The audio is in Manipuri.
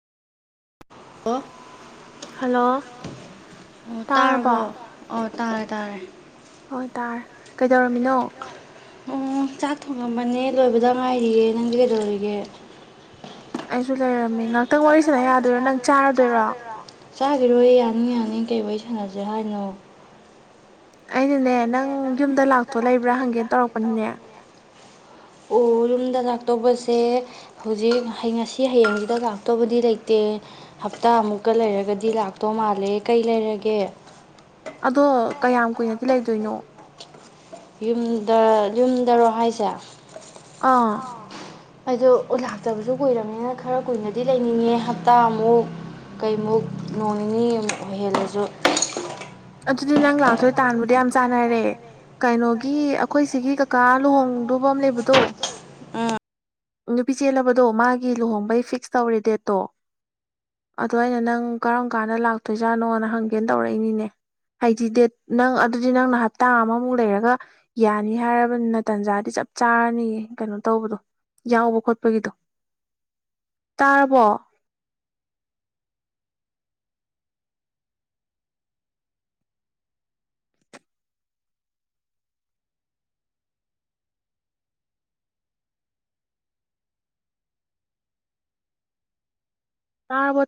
ꯑꯣ꯫ ꯍꯜꯂꯣ꯫ ꯑꯣ ꯇꯥꯔꯕꯣ ꯑꯣ ꯇꯥꯔꯦ ꯇꯥꯔꯦ꯫ ꯑꯣ ꯇꯥꯔꯦ ꯀꯩꯗꯧꯔꯝꯃꯤꯅꯣ꯫ ꯑꯣ ꯆꯥꯛ ꯊꯣꯡꯉꯝꯕꯅꯦ ꯂꯣꯏꯕꯗ ꯉꯥꯏꯔꯤꯌꯦ ꯅꯪꯗꯤ ꯀꯩꯗꯧꯔꯤꯒꯦ꯫ ꯑꯩꯁꯨ ꯂꯩꯔꯝꯃꯤ ꯉꯥꯛ ꯉꯥꯛꯇꯪ ꯋꯥꯔꯤ ꯁꯅ ꯌꯥꯗꯣꯏꯔꯣ ꯅꯪ ꯆꯥꯔꯗꯣꯏꯔꯣ꯫ ꯆꯥꯒꯤꯔꯣꯏꯌꯦ ꯌꯥꯅꯤ ꯌꯥꯅꯤ ꯀꯩ ꯋꯥꯔꯤ ꯁꯥꯟꯅꯁꯦ ꯍꯥꯏꯅꯣ꯫ ꯑꯩꯅꯅꯦ ꯅꯪ ꯌꯨꯝꯗ ꯂꯥꯛꯇꯣ ꯂꯩꯕ꯭ꯔꯥ ꯍꯪꯒꯦ ꯇꯧꯔꯛꯄꯅꯤꯅꯦ꯫ ꯑꯣ ꯌꯨꯝꯗ ꯂꯥꯛꯇꯧꯕꯁꯦ ꯍꯧꯖꯤꯛ ꯉꯁꯤ ꯍꯌꯦꯡꯁꯤꯗ ꯂꯥꯛꯇꯣꯕꯗꯤ ꯂꯩꯇꯦ꯫ ꯍꯞꯇꯥ ꯑꯃꯨꯛꯀ ꯂꯩꯔꯒꯗꯤ ꯂꯥꯛꯇꯧ ꯃꯥꯜꯂꯦ ꯀꯩ ꯂꯩꯔꯒꯦ꯫ ꯑꯗꯣ ꯀꯌꯥꯝ ꯀꯨꯏꯅꯗꯤ ꯂꯩꯗꯣꯏꯅꯣ꯫ ꯌꯨꯝꯗ ꯌꯨꯝꯗꯔꯣ ꯍꯥꯏꯁꯦ꯫ ꯑꯩꯗꯣ ꯂꯥꯛꯇꯕꯁꯨ ꯀꯨꯏꯔꯕꯅꯤꯅ ꯈꯔ ꯀꯨꯏꯅꯗꯤ ꯂꯩꯅꯤꯡꯉꯦ ꯍꯞꯇꯥꯃꯨꯛ꯫ ꯀꯩꯃꯨꯛ ꯅꯣꯡ ꯅꯤꯅꯤ ꯑꯃꯨꯛ ꯂꯩ ꯍꯜꯂꯁꯨ꯫ ꯑꯗꯨꯗꯤ ꯅꯪ ꯂꯥꯛꯇꯣꯏ ꯇꯥꯟꯕꯗꯤ ꯌꯥꯝ ꯆꯥꯟꯅꯔꯦ꯫ ꯀꯩꯅꯣꯒꯤ ꯑꯈꯣꯏ ꯁꯤꯒꯤ ꯀꯥꯀꯥ ꯂꯨꯍꯣꯡꯗꯧꯕ ꯑꯝ ꯂꯩꯕꯗꯣ ꯑꯥ ꯅꯨꯄꯤ ꯆꯦꯜꯂꯕꯗꯣ ꯃꯥꯒꯤ ꯂꯨꯍꯣꯡꯕꯩ ꯐꯤꯛꯁ ꯇꯧꯔꯦ ꯗꯦꯠꯇꯣ ꯑꯗꯣ ꯑꯩꯅ ꯅꯪ ꯀꯔꯝ ꯀꯥꯟꯗ ꯂꯥꯛꯇꯣꯏꯖꯥꯠꯅꯣꯅ ꯍꯪꯒꯦꯅ ꯇꯧꯔꯛꯏꯅꯤꯅꯦ ꯍꯥꯏꯗꯤ ꯗꯦꯠ ꯅꯪ ꯑꯗꯨꯗꯤ ꯅꯪꯅ ꯍꯞꯇꯥ ꯑꯃꯃꯨꯛ ꯂꯩꯔꯒ ꯌꯥꯅꯤ ꯍꯥꯏꯔꯕꯅꯤꯅ ꯇꯟꯖꯥꯗꯤ ꯆꯞ ꯆꯥꯔꯅꯤꯌꯦ ꯀꯩꯅꯣ ꯇꯧꯕꯗꯣ ꯌꯥꯎꯕ ꯈꯣꯠꯄꯒꯤꯗꯣ ꯇꯥꯔꯕꯣ ꯇꯥꯔꯕꯣꯠ